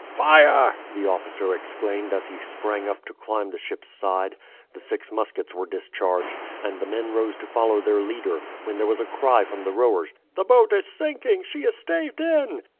"Fire!" the officer exclaimed as he sprang up to climb the ship's side. The six muskets were discharged, and the men rose to follow their leader, when there was a cry from the rowers "The boat is sinking! She is staved in!"